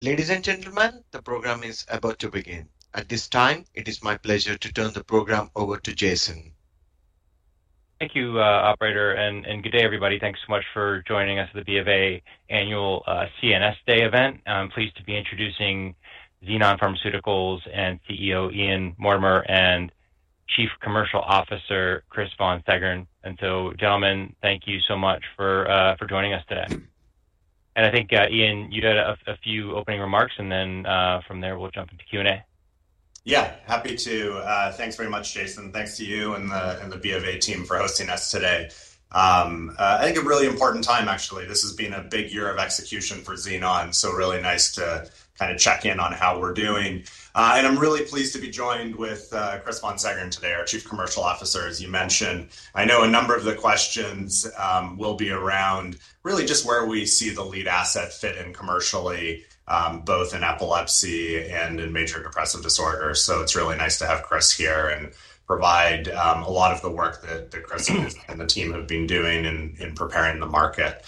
Ladies and gentlemen, the program is about to begin. At this time, it is my pleasure to turn the program over to Jason. Thank you, operator, and good day, everybody. Thanks so much for joining us for the BofA Annual CNS Day event. I'm pleased to be introducing Xenon Pharmaceuticals and CEO, Ian Mortimer, and Chief Commercial Officer, Chris von Seggern. So, gentlemen, thank you so much for joining us today. I think, Ian, you had a few opening remarks, and then, from there, we'll jump into Q&A. Yeah, happy to. Thanks very much, Jason. Thanks to you and the BofA team for hosting us today. I think a really important time, actually. This has been a big year of execution for Xenon, so really nice to kind of check in on how we're doing. And I'm really pleased to be joined with Chris von Seggern today, our Chief Commercial Officer, as you mentioned. I know a number of the questions will be around really just where we see the lead asset fit in commercially both in epilepsy and in major depressive disorder. So it's really nice to have Chris here and provide a lot of the work that Chris and the team have been doing in preparing the market.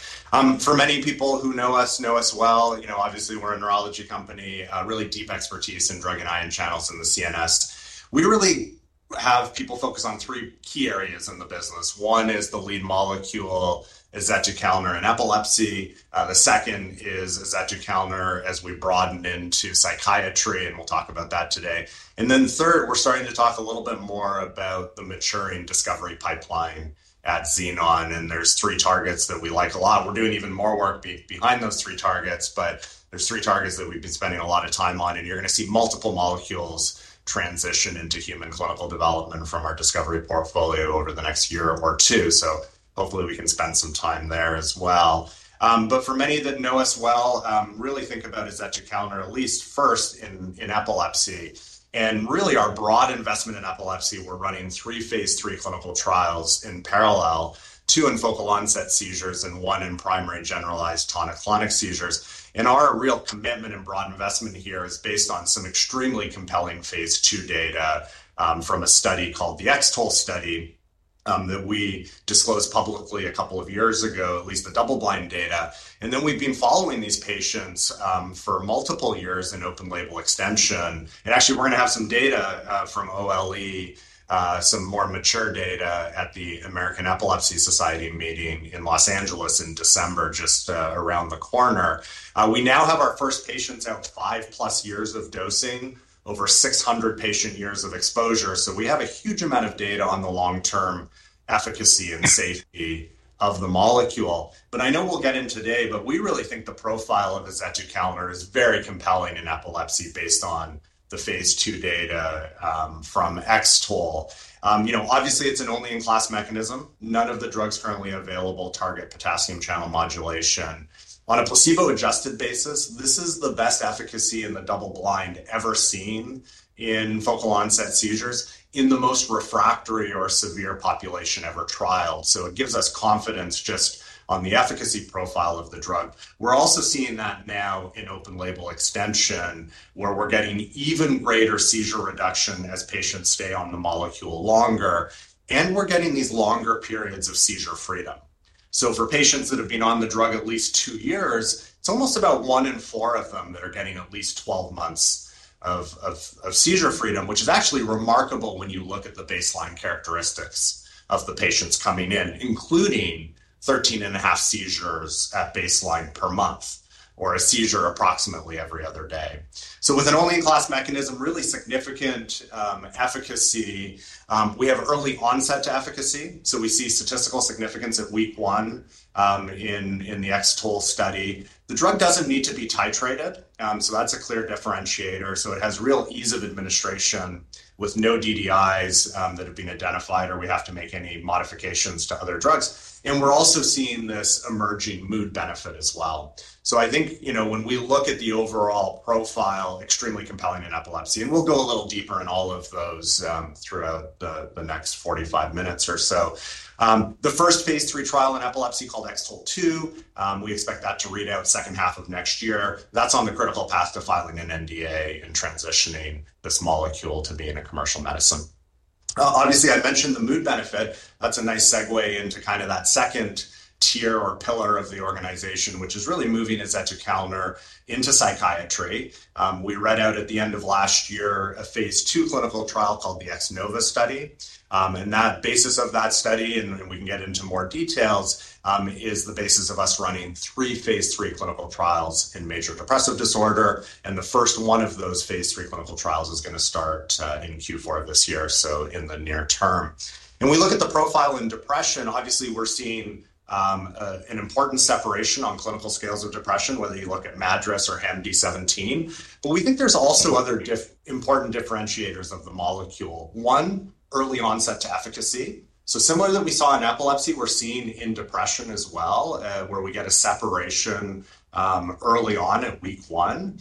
For many people who know us well, you know, obviously, we're a neurology company, really deep expertise in drugging ion channels in the CNS. We really have people focus on three key areas in the business. One is the lead molecule, azetukalner, in epilepsy. The second is azetukalner as we broaden into psychiatry, and we'll talk about that today. Then third, we're starting to talk a little bit more about the maturing discovery pipeline at Xenon, and there's three targets that we like a lot. We're doing even more work behind those three targets, but there's three targets that we've been spending a lot of time on, and you're going to see multiple molecules transition into human clinical development from our discovery portfolio over the next year or two. So hopefully, we can spend some time there as well. But for many that know us well, really think about azetukalner at least first in epilepsy. And really, our broad investment in epilepsy, we're running three phase 3 clinical trials in parallel, two in focal onset seizures and one in primary generalized tonic-clonic seizures. And our real commitment and broad investment here is based on some extremely compelling phase 2 data from a study called the X-TOLL study that we disclosed publicly a couple of years ago, at least the double-blind data. And then we've been following these patients for multiple years in open-label extension. And actually, we're going to have some data from OLE, some more mature data at the American Epilepsy Society meeting in Los Angeles in December, just around the corner. We now have our first patients at five plus years of dosing, over 600 patient years of exposure. So we have a huge amount of data on the long-term efficacy and safety of the molecule. But I know we'll get in today, but we really think the profile of azetukalner is very compelling in epilepsy based on the phase 2 data from X-TOLL. You know, obviously it's an only-in-class mechanism. None of the drugs currently available target potassium channel modulation. On a placebo-adjusted basis, this is the best efficacy in the double blind ever seen in focal onset seizures in the most refractory or severe population ever trialed. So it gives us confidence just on the efficacy profile of the drug. We're also seeing that now in open label extension, where we're getting even greater seizure reduction as patients stay on the molecule longer, and we're getting these longer periods of seizure freedom. So for patients that have been on the drug at least two years, it's almost about one in four of them that are getting at least 12 months of seizure freedom, which is actually remarkable when you look at the baseline characteristics of the patients coming in, including 13 and a half seizures at baseline per month, or a seizure approximately every other day. So with an only-in-class mechanism, really significant efficacy. We have early onset to efficacy, so we see statistical significance at week 1 in the X-TOLL study. The drug doesn't need to be titrated, so that's a clear differentiator, so it has real ease of administration with no DDIs that have been identified, or we have to make any modifications to other drugs, and we're also seeing this emerging mood benefit as well, so I think, you know, when we look at the overall profile, extremely compelling in epilepsy, and we'll go a little deeper in all of those, throughout the next forty-five minutes or so. The first phase 3 trial in epilepsy, called X-TOLL2, we expect that to read out second half of next year. That's on the critical path to filing an NDA and transitioning this molecule to being a commercial medicine. Obviously, I mentioned the mood benefit. That's a nice segue into kind of that second tier or pillar of the organization, which is really moving azetukalner into psychiatry. We read out at the end of last year a phase 2 clinical trial called the X-NOVA study, and that basis of that study, and we can get into more details, is the basis of us running three phase 3 clinical trials in major depressive disorder, and the first one of those phase 3 clinical trials is going to start in Q4 of this year, so in the near term. When we look at the profile in depression, obviously, we're seeing an important separation on clinical scales of depression, whether you look at MADRS or HAM-D17. But we think there's also other important differentiators of the molecule. One, early onset to efficacy. So, similar to what we saw in epilepsy, we're seeing in depression as well, where we get a separation early on at week one.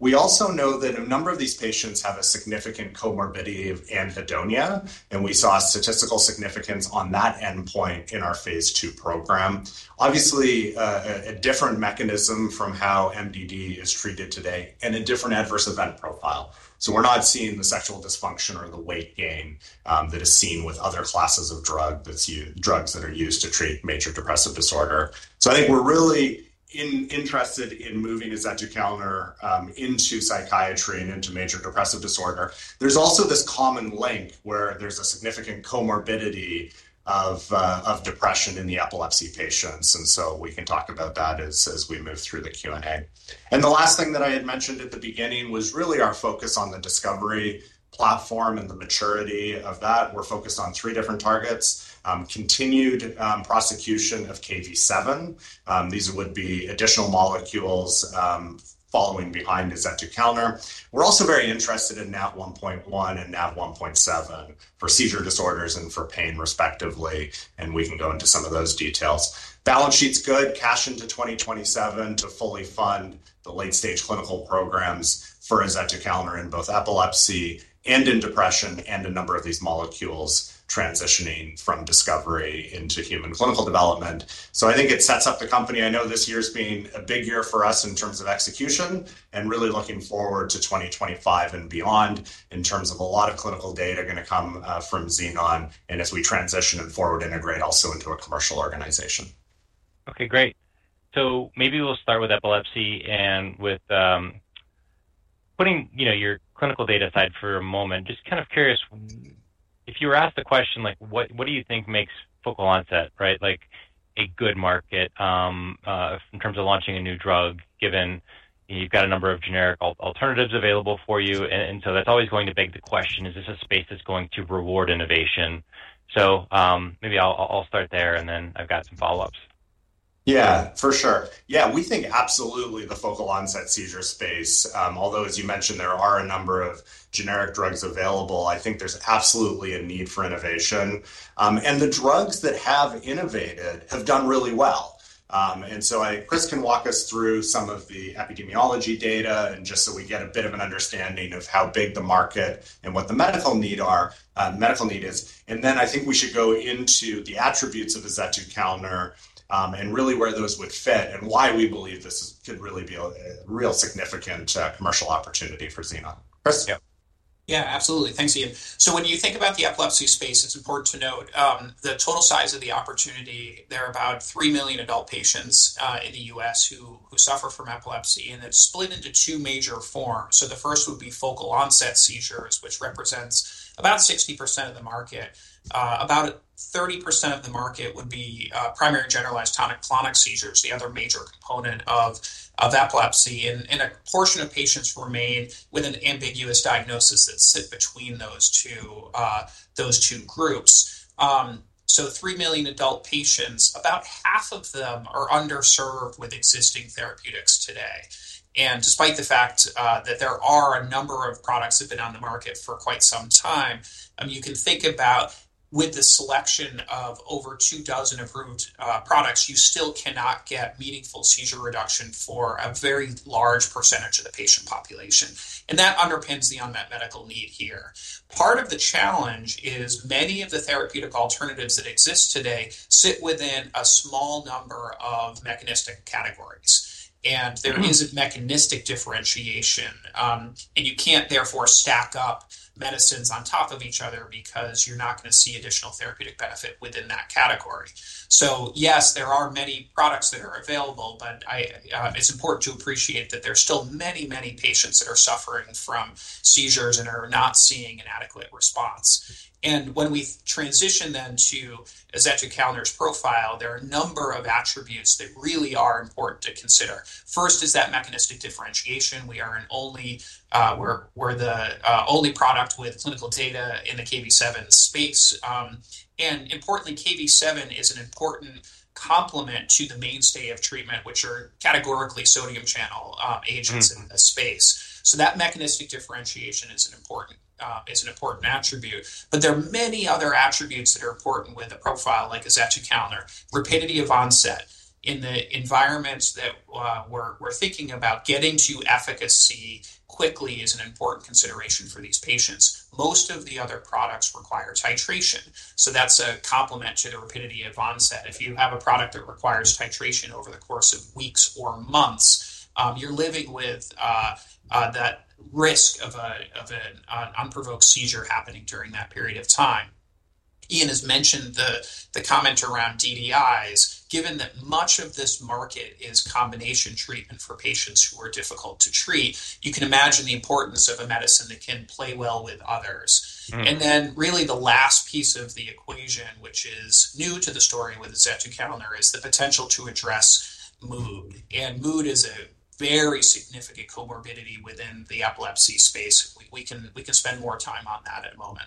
We also know that a number of these patients have a significant comorbidity of anhedonia, and we saw statistical significance on that endpoint in our phase 2 program. Obviously, a different mechanism from how MDD is treated today and a different adverse event profile. So we're not seeing the sexual dysfunction or the weight gain that is seen with other classes of drugs that are used to treat major depressive disorder. So I think we're really interested in moving azetukalner into psychiatry and into major depressive disorder. There's also this common link where there's a significant comorbidity of depression in the epilepsy patients, and so we can talk about that as we move through the Q&A. The last thing that I had mentioned at the beginning was really our focus on the discovery platform and the maturity of that. We're focused on three different targets. Continued prosecution of Kv7. These would be additional molecules following behind azetukalner. We're also very interested in Nav.1.1 and Nav1.7 for seizure disorders and for pain respectively, and we can go into some of those details. Balance sheet's good, cash into 2027 to fully fund the late-stage clinical programs for azetukalner in both epilepsy and in depression, and a number of these molecules transitioning from discovery into human clinical development. I think it sets up the company. I know this year's been a big year for us in terms of execution, and really looking forward to twenty twenty-five and beyond in terms of a lot of clinical data going to come from Xenon and as we transition and forward integrate also into a commercial organization. Okay, great. So maybe we'll start with epilepsy and with putting, you know, your clinical data aside for a moment, just kind of curious, if you were asked the question like, what do you think makes focal onset, right, like, a good market in terms of launching a new drug, given you've got a number of generic alternatives available for you? And so that's always going to beg the question, is this a space that's going to reward innovation? So maybe I'll start there, and then I've got some follow-ups. Yeah, for sure. Yeah, we think absolutely the focal onset seizure space, although, as you mentioned, there are a number of generic drugs available. I think there's absolutely a need for innovation. And the drugs that have innovated have done really well. And so I... Chris can walk us through some of the epidemiology data, and just so we get a bit of an understanding of how big the market and what the medical need is. And then I think we should go into the attributes of the azetukalner, and really where those would fit and why we believe this could really be a real significant commercial opportunity for Xenon. Chris? Yeah, absolutely. Thanks, Ian. So when you think about the epilepsy space, it's important to note the total size of the opportunity. There are about three million adult patients in the U.S. who suffer from epilepsy, and it's split into two major forms. So the first would be focal onset seizures, which represents about 60% of the market. About 30% of the market would be primary generalized tonic-clonic seizures, the other major component of epilepsy. And a portion of patients remain with an ambiguous diagnosis that sit between those two groups. So three million adult patients, about half of them are underserved with existing therapeutics today. And despite the fact that there are a number of products that have been on the market for quite some time, you can think about with the selection of over two dozen approved products, you still cannot get meaningful seizure reduction for a very large percentage of the patient population, and that underpins the unmet medical need here. Part of the challenge is many of the therapeutic alternatives that exist today sit within a small number of mechanistic categories. Mm-hmm.... and there isn't mechanistic differentiation. And you can't therefore stack up medicines on top of each other because you're not going to see additional therapeutic benefit within that category. So yes, there are many products that are available, but I, it's important to appreciate that there are still many, many patients that are suffering from seizures and are not seeing an adequate response. And when we transition then to azetukalner's profile, there are a number of attributes that really are important to consider. First is that mechanistic differentiation. We're the only product with clinical data in the Kv7 space. And importantly, Kv7 is an important complement to the mainstay of treatment, which are categorically sodium channel agents- Mm-hmm... in this space. So that mechanistic differentiation is an important, is an important attribute. But there are many other attributes that are important with a profile like azetukalner. Rapidity of onset. In the environments that we're thinking about, getting to efficacy quickly is an important consideration for these patients. Most of the other products require titration, so that's a complement to the rapidity of onset. If you have a product that requires titration over the course of weeks or months, you're living with that risk of an unprovoked seizure happening during that period of time. Ian has mentioned the comment around DDIs. Given that much of this market is combination treatment for patients who are difficult to treat, you can imagine the importance of a medicine that can play well with others. Mm-hmm. Really, the last piece of the equation, which is new to the story with azetukalner, is the potential to address mood. Mood is a very significant comorbidity within the epilepsy space. We can spend more time on that in a moment.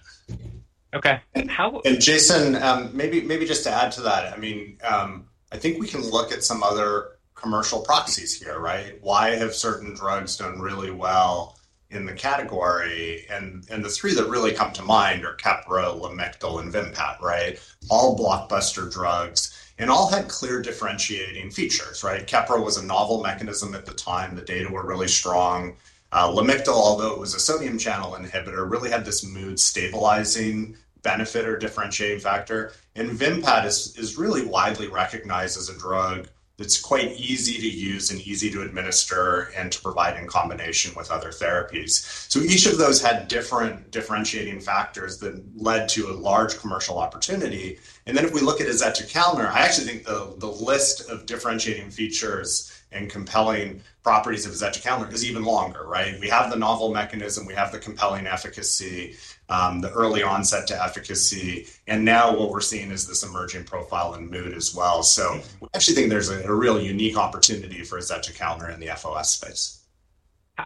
Okay. How- Jason, maybe just to add to that, I mean, I think we can look at some other commercial proxies here, right? Why have certain drugs done really well in the category? The three that really come to mind are Keppra, Lamictal, and Vimpat, right? All blockbuster drugs and all had clear differentiating features, right? Keppra was a novel mechanism at the time. The data were really strong. Lamictal, although it was a sodium channel inhibitor, really had this mood-stabilizing benefit or differentiating factor. Vimpat is really widely recognized as a drug that's quite easy to use and easy to administer and to provide in combination with other therapies. So each of those had different differentiating factors that led to a large commercial opportunity. And then if we look at azetukalner, I actually think the list of differentiating features and compelling properties of azetukalner is even longer, right? We have the novel mechanism, we have the compelling efficacy, the early onset to efficacy, and now what we're seeing is this emerging profile in mood as well. Mm-hmm. I actually think there's a real unique opportunity for azetukalner in the FOS space.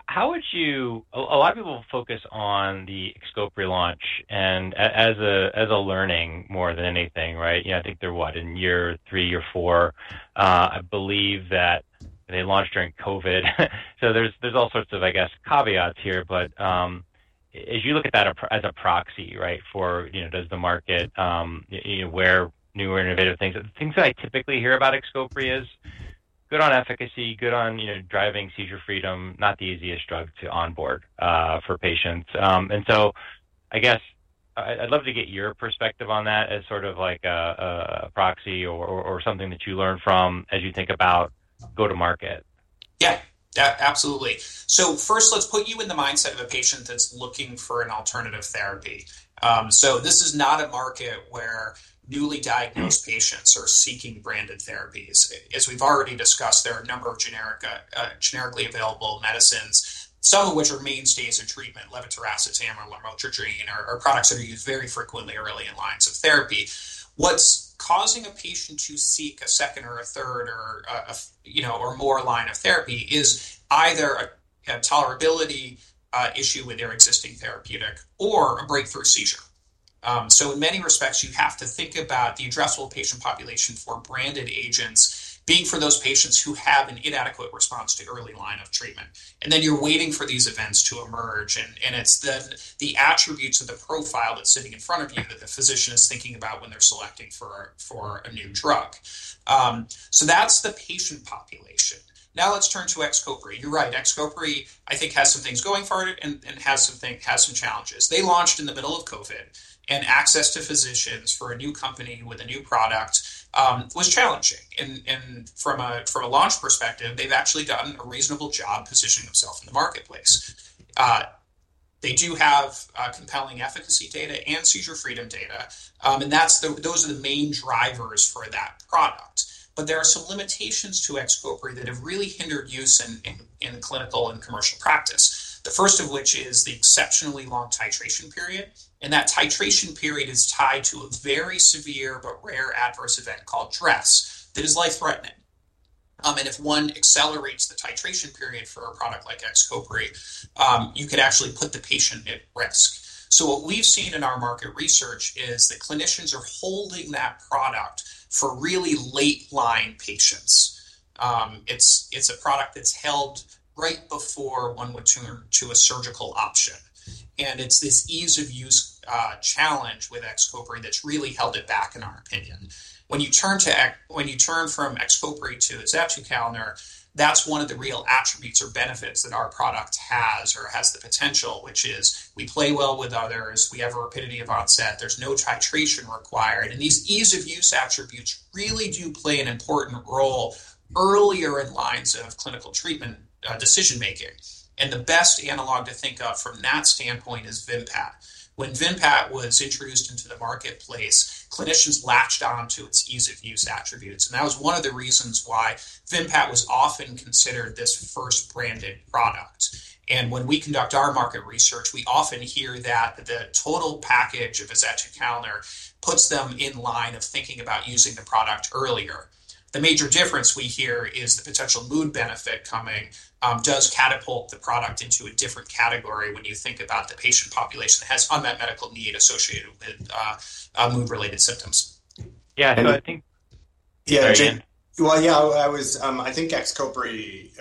How would you... Ah, a lot of people focus on the XCOPRI relaunch and as a learning more than anything, right? You know, I think they're what? In year three or four. I believe that they launched during COVID. So there's all sorts of, I guess, caveats here, but as you look at that as a proxy, right? For, you know, does the market, you know, where new or innovative things... The things that I typically hear about XCOPRI is good on efficacy, good on, you know, driving seizure freedom, not the easiest drug to onboard for patients. And so I guess I'd love to get your perspective on that as sort of like a proxy or something that you learn from as you think about go to market. Yeah. Yeah, absolutely. So first, let's put you in the mindset of a patient that's looking for an alternative therapy. So this is not a market where newly diagnosed- Mm-hmm... patients are seeking branded therapies. As we've already discussed, there are a number of generic, generically available medicines, some of which are mainstays in treatment, levetiracetam or lamotrigine are products that are used very frequently early in lines of therapy. What's causing a patient to seek a second or a third or a you know or more line of therapy is either a tolerability issue with their existing therapeutic or a breakthrough seizure. So in many respects, you have to think about the addressable patient population for branded agents being for those patients who have an inadequate response to early line of treatment, and then you're waiting for these events to emerge, and it's the attributes of the profile that's sitting in front of you that the physician is thinking about when they're selecting for a new drug. So that's the patient population. Now, let's turn to XCOPRI. You're right, XCOPRI. I think it has some things going for it and has some challenges. They launched in the middle of COVID, and access to physicians for a new company with a new product was challenging. And from a launch perspective, they've actually done a reasonable job positioning themselves in the marketplace. They do have compelling efficacy data and seizure freedom data, and that's the... those are the main drivers for that product. But there are some limitations to XCOPRI that have really hindered use in clinical and commercial practice. The first of which is the exceptionally long titration period, and that titration period is tied to a very severe but rare adverse event called DRESS that is life-threatening. And if one accelerates the titration period for a product like XCOPRI, you could actually put the patient at risk. So what we've seen in our market research is that clinicians are holding that product for really late line patients. It's a product that's held right before one would turn to a surgical option, and it's this ease of use challenge with XCOPRI that's really held it back, in our opinion. When you turn from XCOPRI to azetukalner, that's one of the real attributes or benefits that our product has or has the potential, which is we play well with others, we have a rapidity of onset, there's no titration required. And these ease of use attributes really do play an important role earlier in lines of clinical treatment decision making. And the best analog to think of from that standpoint is Vimpat. When Vimpat was introduced into the marketplace, clinicians latched on to its ease of use attributes, and that was one of the reasons why Vimpat was often considered this first branded product. And when we conduct our market research, we often hear that the total package of azetukalner puts them in line of thinking about using the product earlier. The major difference we hear is the potential mood benefit coming does catapult the product into a different category when you think about the patient population that has unmet medical need associated with mood-related symptoms. Yeah, so I think- Yeah, Jim. There you go. I think XCOPRI,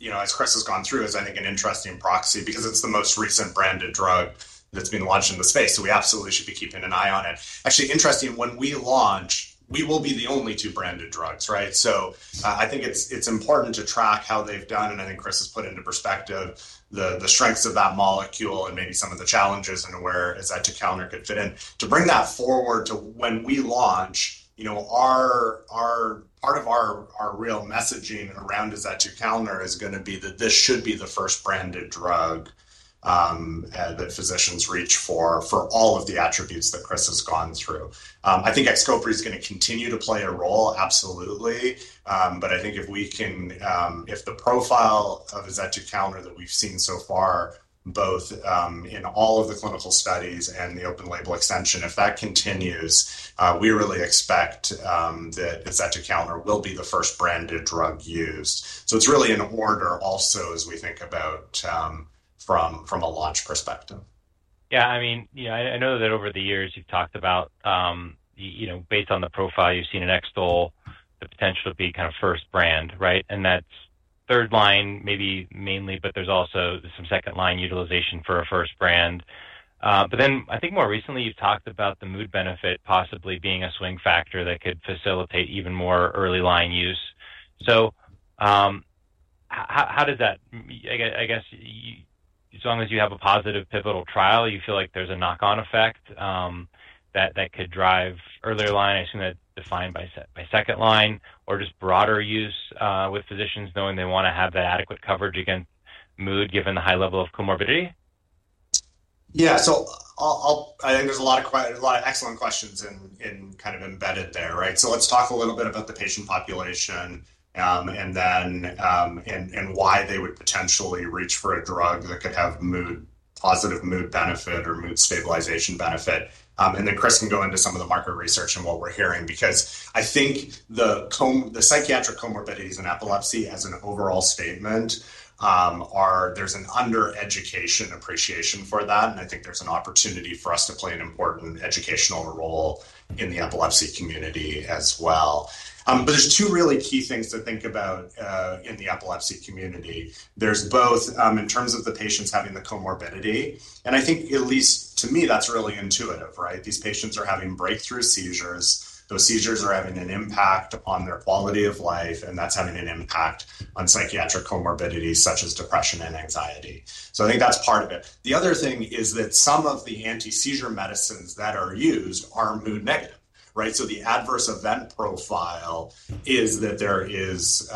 you know, as Chris has gone through, is an interesting proxy because it's the most recent branded drug that's been launched in the space, so we absolutely should be keeping an eye on it. Actually, interesting, when we launch, we will be the only two branded drugs, right? So, I think it's important to track how they've done, and I think Chris has put into perspective the strengths of that molecule and maybe some of the challenges and where azetukalner could fit in. To bring that forward to when we launch, you know, our part of our real messaging around azetukalner is gonna be that this should be the first branded drug that physicians reach for, for all of the attributes that Chris has gone through. I think XCOPRI is gonna continue to play a role, absolutely, but I think if the profile of azetukalner that we've seen so far, both in all of the clinical studies and the open-label extension, if that continues, we really expect that azetukalner will be the first branded drug used, so it's really an order also as we think about from a launch perspective. Yeah, I mean, you know, I know that over the years you've talked about, you know, based on the profile you've seen in X-TOLL, the potential to be kind of first brand, right? And that's third line, maybe mainly, but there's also some second line utilization for a first brand. But then I think more recently, you've talked about the mood benefit possibly being a swing factor that could facilitate even more early line use. So, how does that... I guess you, as long as you have a positive pivotal trial, you feel like there's a knock-on effect that could drive earlier line. I assume that's defined by second line, or just broader use with physicians knowing they want to have that adequate coverage against mood, given the high level of comorbidity? Yeah. So I think there's a lot of excellent questions kind of embedded there, right? So let's talk a little bit about the patient population, and then why they would potentially reach for a drug that could have positive mood benefit or mood stabilization benefit, and then Chris can go into some of the market research and what we're hearing, because I think the psychiatric comorbidities in epilepsy as an overall statement are. There's an underappreciation for that, and I think there's an opportunity for us to play an important educational role in the epilepsy community as well, but there's two really key things to think about in the epilepsy community. There's both, in terms of the patients having the comorbidity, and I think, at least to me, that's really intuitive, right? These patients are having breakthrough seizures. Those seizures are having an impact on their quality of life, and that's having an impact on psychiatric comorbidity, such as depression and anxiety. So I think that's part of it. The other thing is that some of the anti-seizure medicines that are used are mood negative, right? So the adverse event profile is that there is,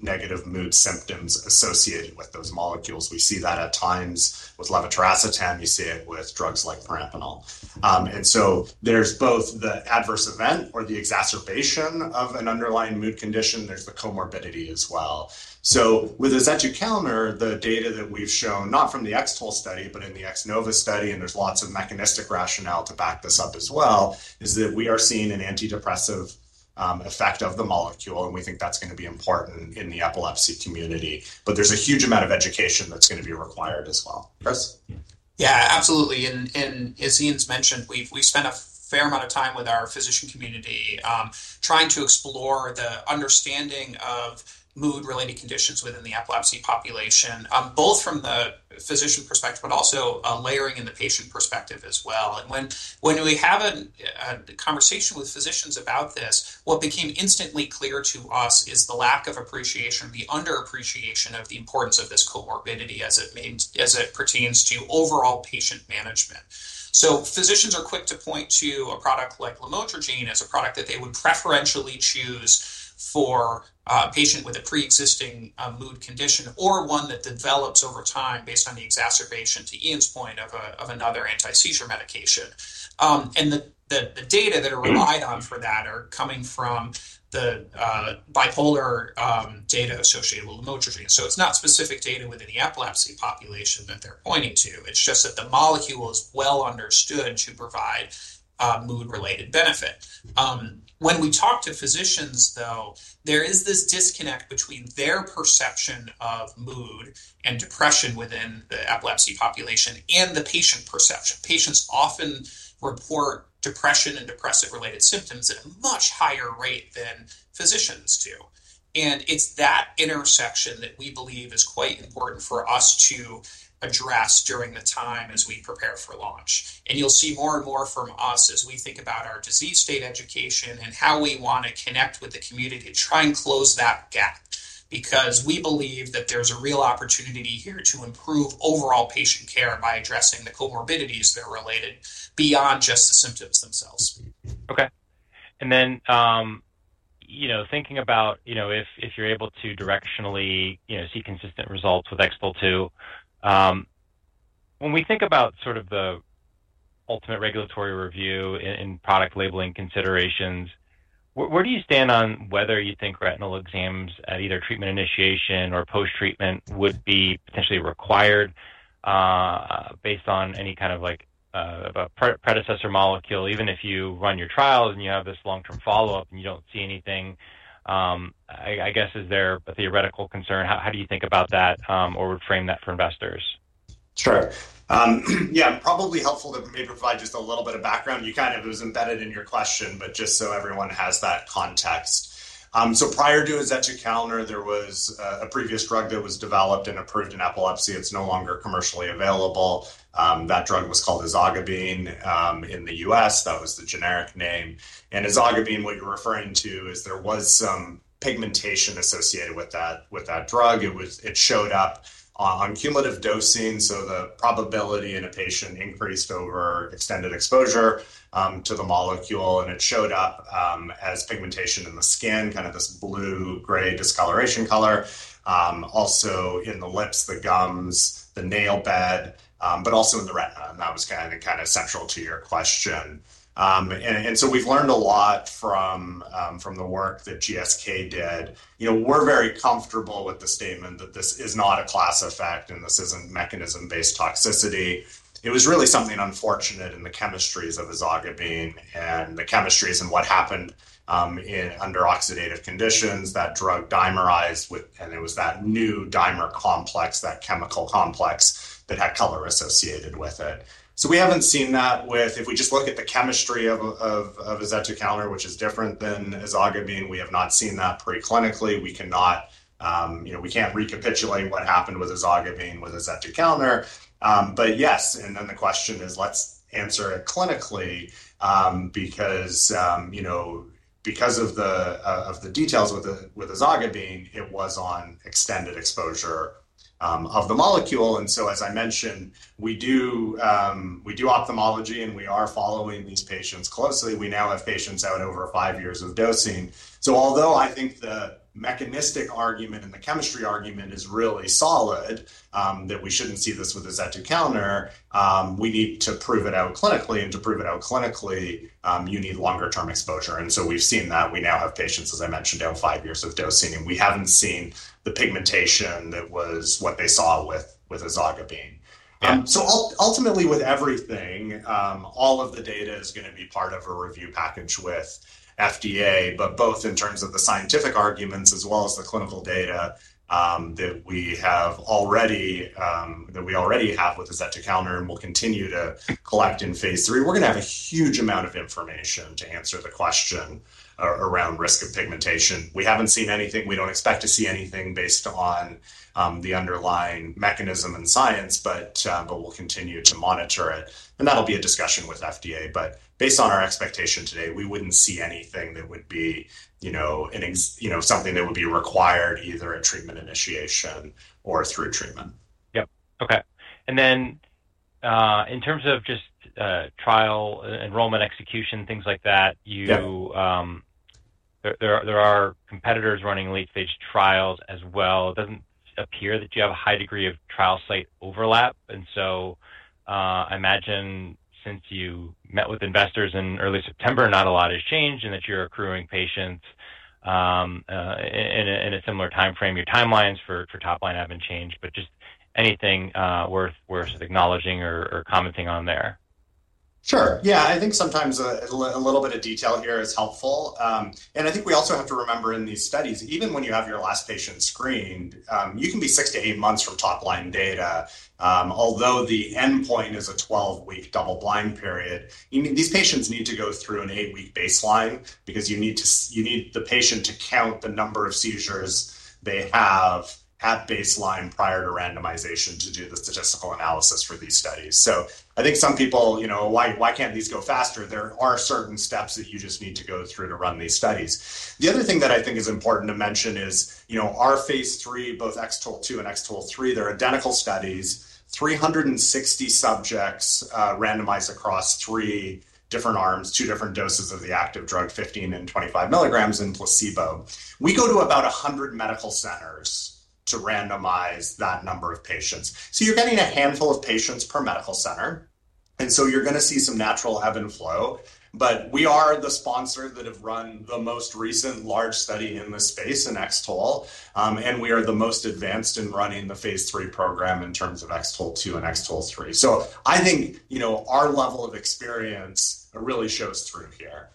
negative mood symptoms associated with those molecules. We see that at times with levetiracetam, you see it with drugs like perampanel. And so there's both the adverse event or the exacerbation of an underlying mood condition, there's the comorbidity as well. So with azetukalner, the data that we've shown, not from the X-TOLL study, but in the X-NOVA study, and there's lots of mechanistic rationale to back this up as well, is that we are seeing an antidepressant effect of the molecule, and we think that's going to be important in the epilepsy community. But there's a huge amount of education that's going to be required as well. Chris? Yeah, absolutely. And as Ian's mentioned, we've spent a fair amount of time with our physician community, trying to explore the understanding of mood-related conditions within the epilepsy population, both from the physician perspective, but also layering in the patient perspective as well. And when we have a conversation with physicians about this, what became instantly clear to us is the lack of appreciation, the underappreciation of the importance of this comorbidity as it means, as it pertains to overall patient management. So physicians are quick to point to a product like lamotrigine as a product that they would preferentially choose for a patient with a pre-existing mood condition or one that develops over time based on the exacerbation, to Ian's point, of another anti-seizure medication. And the data that are relied on for that are coming from the bipolar data associated with lamotrigine. So it's not specific data within the epilepsy population that they're pointing to. It's just that the molecule is well understood to provide mood-related benefit. When we talk to physicians, though, there is this disconnect between their perception of mood and depression within the epilepsy population and the patient perception. Patients often report depression and depressive-related symptoms at a much higher rate than physicians do. And it's that intersection that we believe is quite important for us to address during the time as we prepare for launch. You'll see more and more from us as we think about our disease state education and how we want to connect with the community to try and close that gap, because we believe that there's a real opportunity here to improve overall patient care by addressing the comorbidities that are related beyond just the symptoms themselves. Okay. And then, you know, thinking about, you know, if, if you're able to directionally, you know, see consistent results with X-TOLL 2, when we think about sort of the ultimate regulatory review in product labeling considerations, where do you stand on whether you think retinal exams at either treatment initiation or posttreatment would be potentially required, based on any kind of like, a predecessor molecule, even if you run your trials and you have this long-term follow-up, and you don't see anything, I guess, is there a theoretical concern? How do you think about that, or would frame that for investors? Sure. Yeah, probably helpful to maybe provide just a little bit of background. You kind of, it was embedded in your question, but just so everyone has that context. So prior to azetukalner, there was a previous drug that was developed and approved in epilepsy. It's no longer commercially available. That drug was called ezogabine, in the U.S., that was the generic name. And ezogabine, what you're referring to is there was some pigmentation associated with that, with that drug. It was it showed up on cumulative dosing, so the probability in a patient increased over extended exposure to the molecule, and it showed up as pigmentation in the skin, kind of this blue-gray discoloration color, also in the lips, the gums, the nail bed, but also in the retina, and that was kind of central to your question. And so we've learned a lot from the work that GSK did. You know, we're very comfortable with the statement that this is not a class effect and this isn't mechanism-based toxicity. It was really something unfortunate in the chemistries of ezogabine and the chemistries and what happened under oxidative conditions. That drug dimerized and it was that new dimer complex, that chemical complex, that had color associated with it. So we haven't seen that with... If we just look at the chemistry of azetukalner, which is different than ezogabine, we have not seen that preclinically. We cannot, you know, we can't recapitulate what happened with ezogabine, with azetukalner. But yes, and then the question is, let's answer it clinically, because you know, because of the details with the, with ezogabine, it was on extended exposure of the molecule, and so as I mentioned, we do ophthalmology, and we are following these patients closely. We now have patients out over five years of dosing. So although I think the mechanistic argument and the chemistry argument is really solid, that we shouldn't see this with azetukalner, we need to prove it out clinically, and to prove it out clinically, you need longer term exposure. We've seen that. We now have patients, as I mentioned, out five years of dosing, and we haven't seen the pigmentation that was what they saw with ezogabine. Yeah. Ultimately with everything, all of the data is gonna be part of a review package with FDA, but both in terms of the scientific arguments as well as the clinical data that we already have with azetukalner and will continue to collect in phase 3. We're gonna have a huge amount of information to answer the question around risk of pigmentation. We haven't seen anything. We don't expect to see anything based on the underlying mechanism and Science, but we'll continue to monitor it, and that'll be a discussion with FDA. But based on our expectation today, we wouldn't see anything that would be, you know, an ex... You know, something that would be required either at treatment initiation or through treatment. Yep. Okay. And then, in terms of just, trial, enrollment, execution, things like that, you- Yeah... there are competitors running late stage trials as well. It doesn't appear that you have a high degree of trial site overlap, and so I imagine since you met with investors in early September, not a lot has changed and that you're accruing patients in a similar timeframe. Your timelines for top line haven't changed, but just anything worth acknowledging or commenting on there? Sure. Yeah, I think sometimes a little bit of detail here is helpful. And I think we also have to remember in these studies, even when you have your last patient screened, you can be six to eight months from top line data. Although the endpoint is a twelve-week double blind period, you need these patients to go through an eight-week baseline because you need the patient to count the number of seizures they have at baseline prior to randomization to do the statistical analysis for these studies. So I think some people, you know, "Why, why can't these go faster?" There are certain steps that you just need to go through to run these studies. The other thing that I think is important to mention is, you know, our phase 3, both X-TOLL 2 and X-TOLL3, they're identical studies, 360 subjects, randomized across three different arms, two different doses of the active drug, 15 and 25 milligrams and placebo. We go to about 100 medical centers to randomize that number of patients. So you're getting a handful of patients per medical center, and so you're gonna see some natural ebb and flow. But we are the sponsor that have run the most recent large study in this space, in X-TOLL, and we are the most advanced in running the phase 3 program in terms of X-TOLL 2 and X-TOLL3. So I think, you know, our level of experience really shows through here.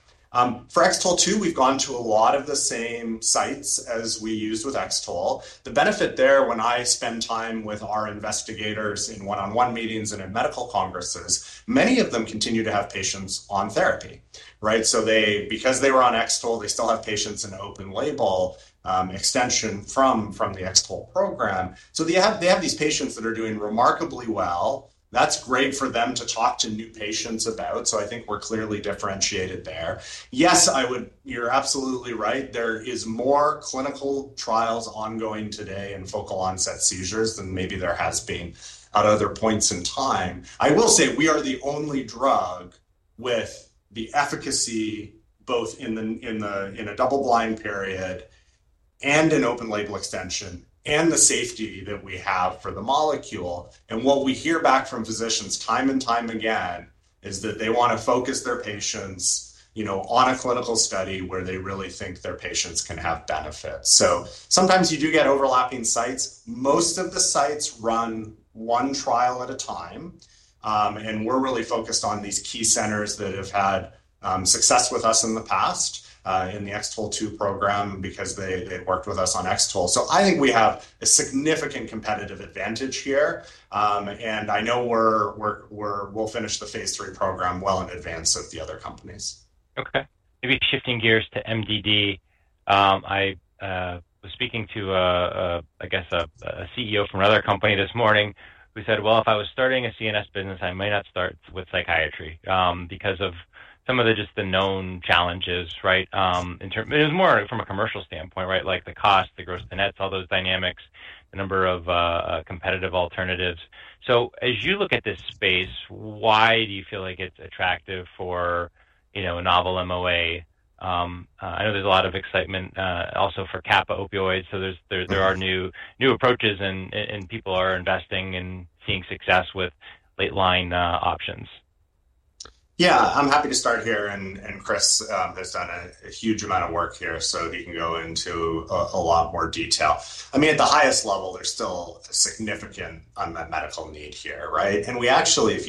For X-TOLL 2, we've gone to a lot of the same sites as we used with X-TOLL. The benefit there, when I spend time with our investigators in one-on-one meetings and in medical congresses, many of them continue to have patients on therapy, right? So they, because they were on X-TOLL, they still have patients in open label extension from the X-TOLL program. So they have, they have these patients that are doing remarkably well. That's great for them to talk to new patients about, so I think we're clearly differentiated there. Yes, I would... You're absolutely right. There is more clinical trials ongoing today in focal onset seizures than maybe there has been at other points in time. I will say we are the only drug with the efficacy, both in a double blind period and an open label extension, and the safety that we have for the molecule. What we hear back from physicians time and time again is that they want to focus their patients, you know, on a clinical study where they really think their patients can have benefit. Sometimes you do get overlapping sites. Most of the sites run one trial at a time, and we're really focused on these key centers that have had success with us in the past in the X-TOLL 2 program because they have worked with us on X-TOLL. I think we have a significant competitive advantage here, and I know we'll finish the phase three program well in advance of the other companies. Okay. Maybe shifting gears to MDD. I was speaking to, I guess, a CEO from another company this morning who said: "Well, if I was starting a CNS business, I may not start with psychiatry, because of some of just the known challenges, right?" It was more from a commercial standpoint, right? Like the cost, the gross, the nets, all those dynamics, the number of competitive alternatives. So as you look at this space, why do you feel like it's attractive for, you know, a novel MOA? I know there's a lot of excitement also for kappa opioids, so there are- Mm-hmm... new approaches and people are investing and seeing success with late line options. Yeah, I'm happy to start here, and Chris has done a huge amount of work here, so he can go into a lot more detail. I mean, at the highest level, there's still a significant unmet medical need here, right? And we actually,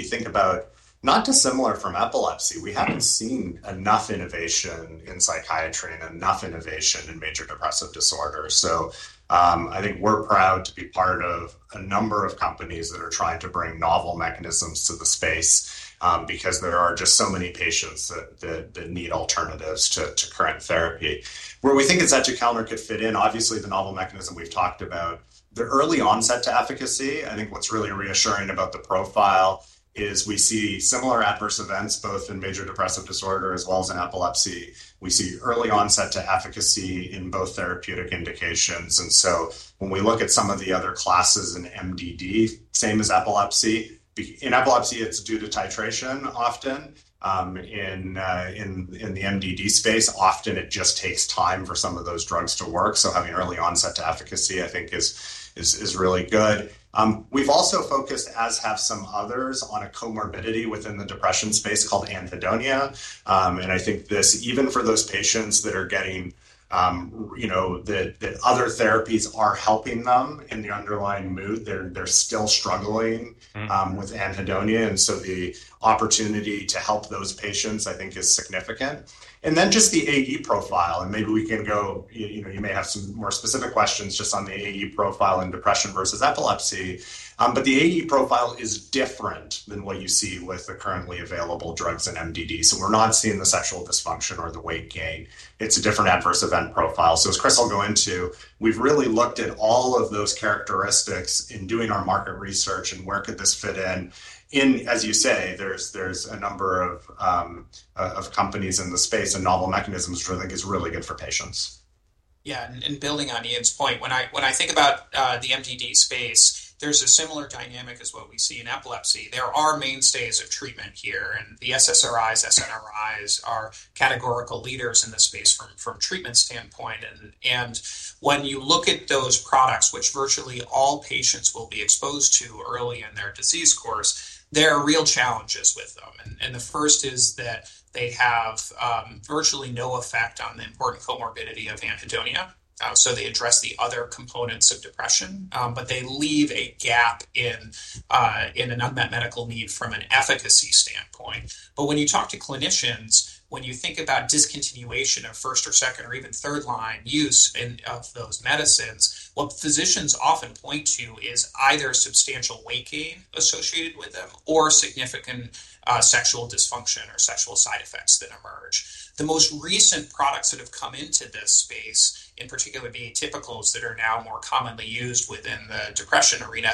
not dissimilar from epilepsy, we haven't seen enough innovation in psychiatry and enough innovation in major depressive disorder. So, I think we're proud to be part of a number of companies that are trying to bring novel mechanisms to the space, because there are just so many patients that need alternatives to current therapy. Where we think azetukalner could fit in, obviously, the novel mechanism we've talked about, the early onset to efficacy. I think what's really reassuring about the profile is we see similar adverse events, both in major depressive disorder as well as in epilepsy. We see early onset to efficacy in both therapeutic indications, and so when we look at some of the other classes in MDD, same as epilepsy. In epilepsy, it's due to titration, often. In the MDD space, often it just takes time for some of those drugs to work, so having early onset to efficacy, I think, is really good. We've also focused, as have some others, on a comorbidity within the depression space called anhedonia. And I think this, even for those patients that are getting, you know, that other therapies are helping them in the underlying mood, they're still struggling- Mm-hmm with anhedonia, and so the opportunity to help those patients, I think, is significant. And then just the AE profile, and maybe we can go, you know, you may have some more specific questions just on the AE profile in depression versus epilepsy. But the AE profile is different than what you see with the currently available drugs in MDD, so we're not seeing the sexual dysfunction or the weight gain. It's a different adverse event profile. So as Chris will go into, we've really looked at all of those characteristics in doing our market research and where could this fit in. In, as you say, there's a number of companies in the space, and novel mechanisms, which I think is really good for patients. Yeah, and building on Ian's point, when I think about the MDD space, there's a similar dynamic as what we see in epilepsy. There are mainstays of treatment here, and the SSRIs, SNRIs are categorical leaders in this space from treatment standpoint. And when you look at those products, which virtually all patients will be exposed to early in their disease course, there are real challenges with them, and the first is that they have virtually no effect on the important comorbidity of anhedonia. So they address the other components of depression, but they leave a gap in an unmet medical need from an efficacy standpoint. When you talk to clinicians, when you think about discontinuation of first or second or even third line use in of those medicines, what physicians often point to is either substantial weight gain associated with them or significant sexual dysfunction or sexual side effects that emerge. The most recent products that have come into this space, in particular, the atypicals that are now more commonly used within the depression arena,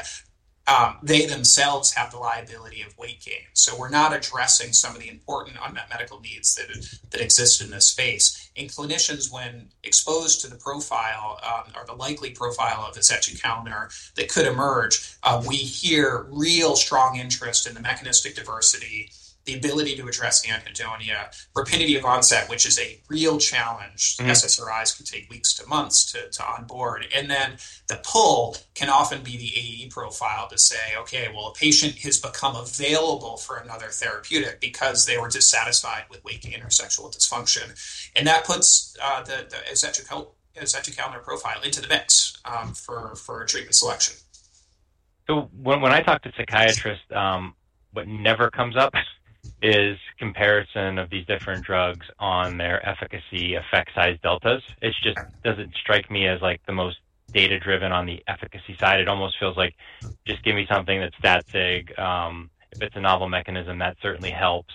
they themselves have the liability of weight gain. So we're not addressing some of the important unmet medical needs that exist in this space. And clinicians, when exposed to the profile or the likely profile of azetukalner that could emerge, we hear real strong interest in the mechanistic diversity, the ability to address anhedonia, rapidity of onset, which is a real challenge. Mm-hmm. SSRIs can take weeks to months to onboard, and then the pull can often be the AE profile to say, "Okay, well, a patient has become available for another therapeutic because they were dissatisfied with weight gain or sexual dysfunction," and that puts the azetukalner profile into the mix, for treatment selection. So when I talk to psychiatrists, what never comes up is comparison of these different drugs on their efficacy effect size deltas. Yeah. It just doesn't strike me as, like, the most data driven on the efficacy side. It almost feels like: Just give me something that's that big. If it's a novel mechanism, that certainly helps.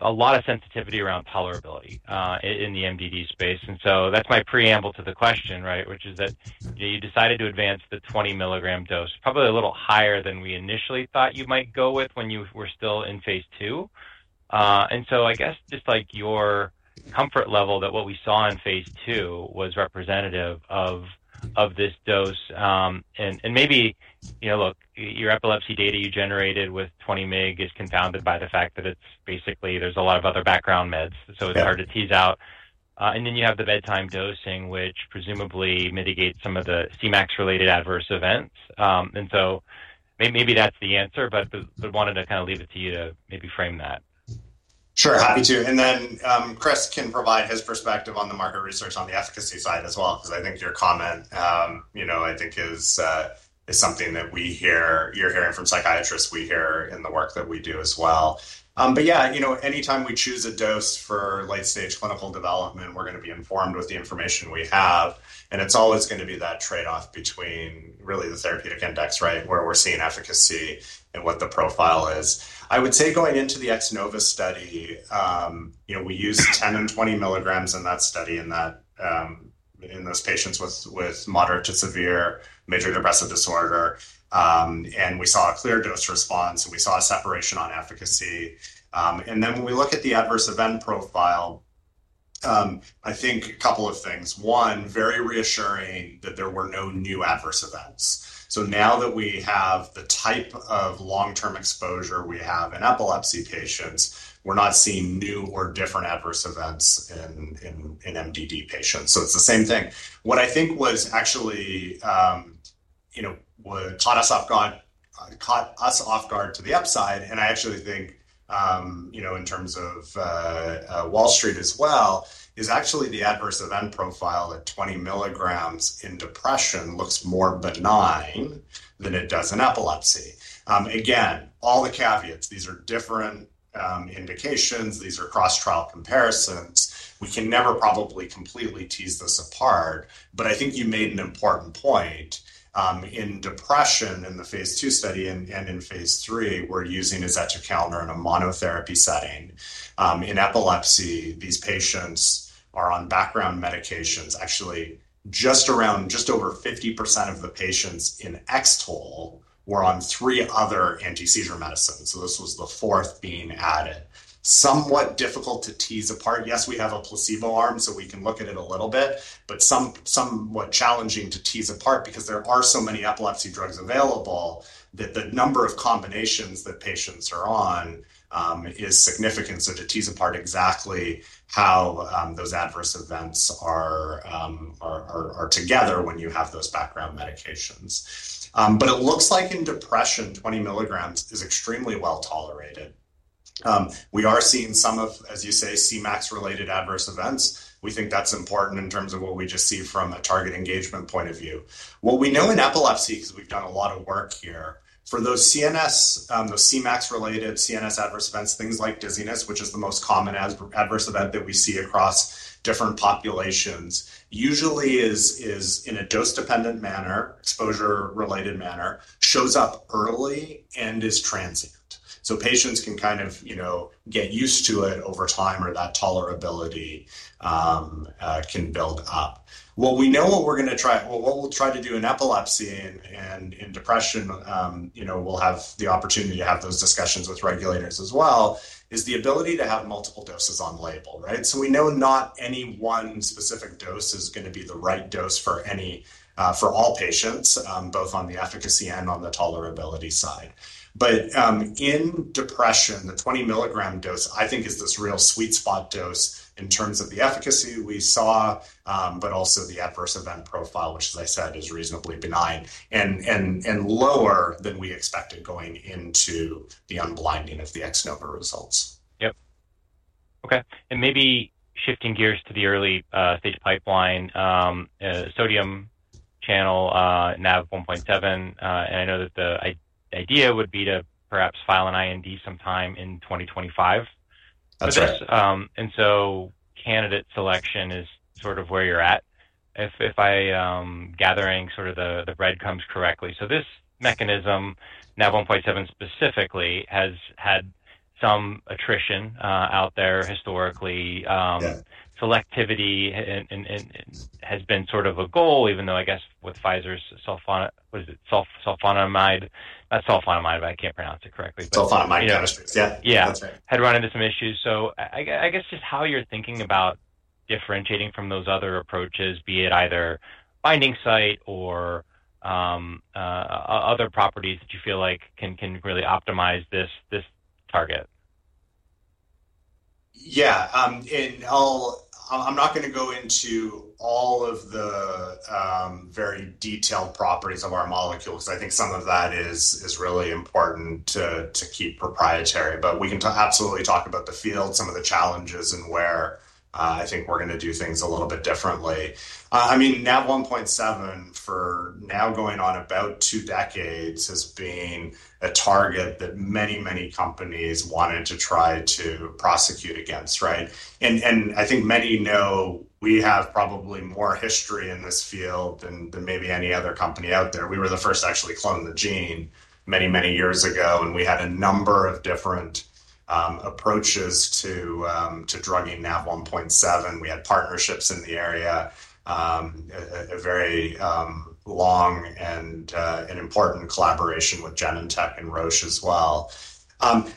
A lot of sensitivity around tolerability, in the MDD space, and so that's my preamble to the question, right? Which is that you decided to advance the twenty milligram dose, probably a little higher than we initially thought you might go with when you were still in phase two, and so I guess just, like, your comfort level that what we saw in phase two was representative of of this dose, and maybe, you know, look, your epilepsy data you generated with twenty mg is confounded by the fact that it's basically there's a lot of other background meds. Yeah. So it's hard to tease out. And then you have the bedtime dosing, which presumably mitigates some of the Cmax-related adverse events. And so maybe that's the answer, but wanted to kind of leave it to you to maybe frame that. Sure, happy to, and then Chris can provide his perspective on the market research on the efficacy side as well, 'cause I think your comment, you know, I think is something that we hear. You're hearing from psychiatrists we hear in the work that we do as well. But yeah, you know, anytime we choose a dose for late-stage clinical development, we're gonna be informed with the information we have, and it's always gonna be that trade-off between really the therapeutic index, right, where we're seeing efficacy and what the profile is. I would say going into the X-NOVA study, you know, we used 10 and 20 milligrams in that study, and that, in those patients with moderate to severe major depressive disorder. And we saw a clear dose response, and we saw a separation on efficacy. And then when we look at the adverse event profile, I think a couple of things. One, very reassuring that there were no new adverse events. So now that we have the type of long-term exposure we have in epilepsy patients, we're not seeing new or different adverse events in MDD patients, so it's the same thing. What I think was actually you know caught us off guard to the upside, and I actually think you know in terms of Wall Street as well is actually the adverse event profile at 20 milligrams in depression looks more benign than it does in epilepsy. Again, all the caveats, these are different indications. These are cross-trial comparisons. We can never probably completely tease this apart, but I think you made an important point. In depression, in the phase 2 study and in phase 3, we're using azetukalner in a monotherapy setting. In epilepsy, these patients are on background medications. Actually, just over 50% of the patients in X-TOLL were on three other anti-seizure medicines, so this was the fourth being added. Somewhat difficult to tease apart. Yes, we have a placebo arm, so we can look at it a little bit, but somewhat challenging to tease apart because there are so many epilepsy drugs available, that the number of combinations that patients are on is significant. So to tease apart exactly how those adverse events are together when you have those background medications. But it looks like in depression, 20 milligrams is extremely well-tolerated. We are seeing some of, as you say, Cmax-related adverse events. We think that's important in terms of what we just see from a target engagement point of view. What we know in epilepsy, because we've done a lot of work here, for those CNS, those Cmax-related CNS adverse events, things like dizziness, which is the most common adverse event that we see across different populations, usually is in a dose-dependent manner, exposure-related manner, shows up early and is transient. So patients can kind of, you know, get used to it over time, or that tolerability can build up. What we'll try to do in epilepsy and in depression, you know, we'll have the opportunity to have those discussions with regulators as well, is the ability to have multiple doses on label, right? So we know not any one specific dose is going to be the right dose for any, for all patients, both on the efficacy and on the tolerability side. But, in depression, the 20 milligram dose, I think, is this real sweet spot dose in terms of the efficacy we saw, but also the adverse event profile, which as I said, is reasonably benign and lower than we expected going into the unblinding of the X-NOVA results. Yep. Okay, and maybe shifting gears to the early-stage pipeline, sodium channel, NaV1.7. And I know that the idea would be to perhaps file an IND sometime in twenty twenty-five. That's right. And so candidate selection is sort of where you're at, if I'm gathering sort of the breadcrumbs correctly. So this mechanism, NaV1.7, specifically, has had some attrition out there historically. Yeah. Selectivity and has been sort of a goal, even though I guess with Pfizer's sulfoni- what is it? Sulfonamide. Not sulfonamide, I can't pronounce it correctly, but- Sulfonamide, yeah. Yeah. That's right. Had run into some issues. I guess just how you're thinking about differentiating from those other approaches, be it either binding site or other properties that you feel like can really optimize this target. Yeah, and I'll... I'm not going to go into all of the, very detailed properties of our molecule, because I think some of that is really important to keep proprietary. But we can absolutely talk about the field, some of the challenges and where, I think we're going to do things a little bit differently. I mean, NaV1.7, for now, going on about two decades, has been a target that many companies wanted to try to prosecute against, right? And I think many know we have probably more history in this field than maybe any other company out there. We were the first to actually clone the gene many years ago, and we had a number of different approaches to drugging NaV1.7. We had partnerships in the area, a very long and an important collaboration with Genentech and Roche as well.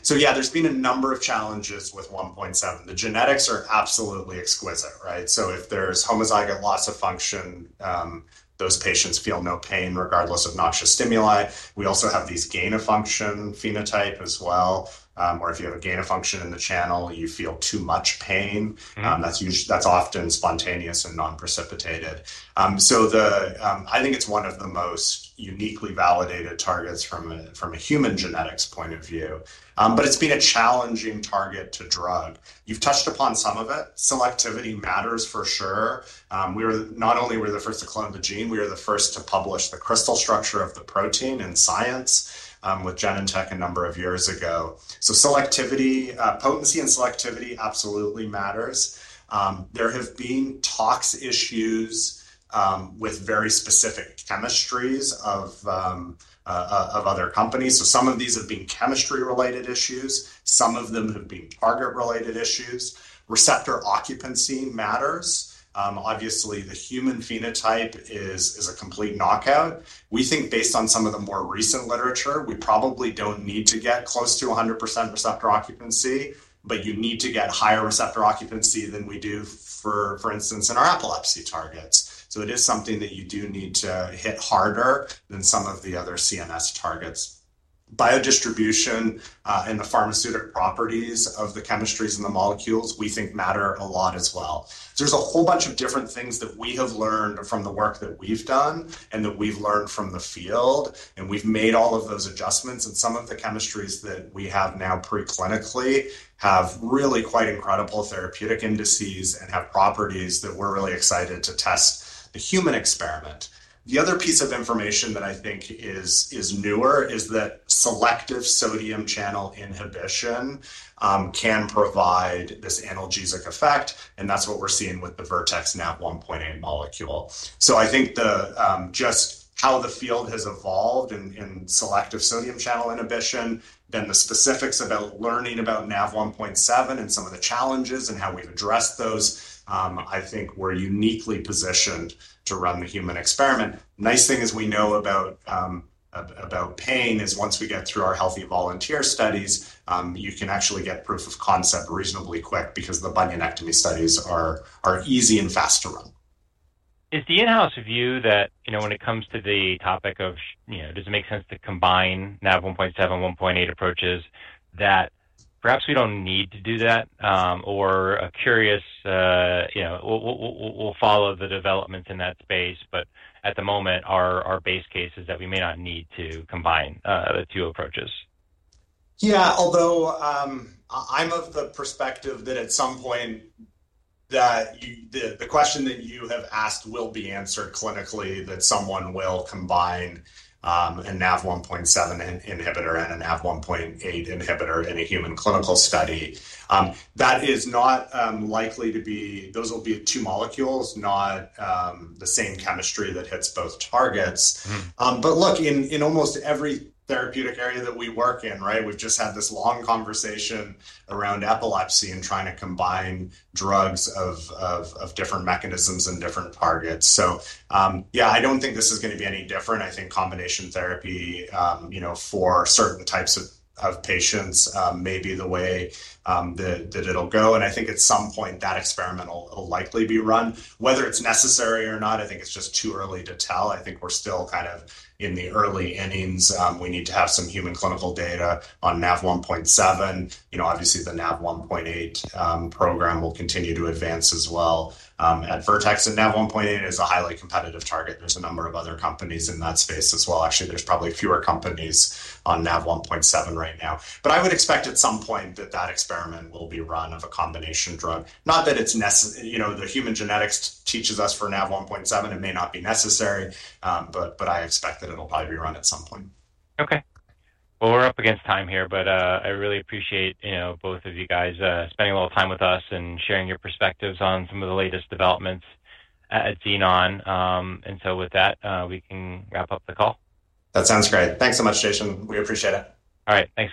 So yeah, there's been a number of challenges with NaV1.7. The genetics are absolutely exquisite, right? So if there's homozygous loss of function, those patients feel no pain, regardless of noxious stimuli. We also have these gain-of-function phenotype as well, where if you have a gain-of-function in the channel, you feel too much pain. Mm-hmm. That's often spontaneous and non-precipitated. I think it's one of the most uniquely validated targets from a human genetics point of view. But it's been a challenging target to drug. You've touched upon some of it. Selectivity matters for sure. Not only were we the first to clone the gene, we are the first to publish the crystal structure of the protein in Science with Genentech a number of years ago. Selectivity, potency and selectivity absolutely matters. There have been tox issues with very specific chemistries of other companies. Some of these have been chemistry-related issues, some of them have been target-related issues. Receptor occupancy matters. Obviously, the human phenotype is a complete knockout. We think based on some of the more recent literature, we probably don't need to get close to 100% receptor occupancy, but you need to get higher receptor occupancy than we do, for instance, in our epilepsy targets. So it is something that you do need to hit harder than some of the other CNS targets. Biodistribution and the pharmaceutical properties of the chemistries and the molecules, we think matter a lot as well. There's a whole bunch of different things that we have learned from the work that we've done and that we've learned from the field, and we've made all of those adjustments, and some of the chemistries that we have now preclinically have really quite incredible therapeutic indices and have properties that we're really excited to test the human experiment. The other piece of information that I think is newer is that selective sodium channel inhibition can provide this analgesic effect, and that's what we're seeing with the Vertex NaV1.8 molecule. So I think the just how the field has evolved in selective sodium channel inhibition, then the specifics about learning about NaV1.7 and some of the challenges and how we've addressed those, I think we're uniquely positioned to run the human experiment. Nice thing is we know about pain is once we get through our healthy volunteer studies, you can actually get proof of concept reasonably quick because the bunionectomy studies are easy and fast to run. Is the in-house view that, you know, when it comes to the topic of, you know, does it make sense to combine NaV1.7, NaV1.8 approaches, that perhaps we don't need to do that? I'm curious, you know, we'll follow the developments in that space, but at the moment, our base case is that we may not need to combine the two approaches. Yeah, although, I'm of the perspective that at some point, the question that you have asked will be answered clinically, that someone will combine a NaV1.7 inhibitor and a NaV1.8 inhibitor in a human clinical study. That is not likely to be... Those will be two molecules, not the same chemistry that hits both targets. Mm. But look, in almost every therapeutic area that we work in, right, we've just had this long conversation around epilepsy and trying to combine drugs of different mechanisms and different targets. So, yeah, I don't think this is gonna be any different. I think combination therapy, you know, for certain types of patients, may be the way that it'll go, and I think at some point that experiment will likely be run. Whether it's necessary or not, I think it's just too early to tell. I think we're still kind of in the early innings. We need to have some human clinical data on NaV1.7. You know, obviously, the NaV1.8 program will continue to advance as well at Vertex, and NaV1.8 is a highly competitive target. There's a number of other companies in that space as well. Actually, there's probably fewer companies on NaV1.7 right now. But I would expect at some point that that experiment will be run of a combination drug. Not that it's necessary, you know, the human genetics teaches us for NaV1.7, it may not be necessary, but I expect that it'll probably be run at some point. Okay. Well, we're up against time here, but I really appreciate, you know, both of you guys spending a little time with us and sharing your perspectives on some of the latest developments at Xenon. And so with that, we can wrap up the call. That sounds great. Thanks so much, Jason. We appreciate it. All right, thanks-